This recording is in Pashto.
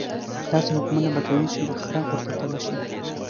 داسې حکمونه به کوي چې د خره ورته تبه شي.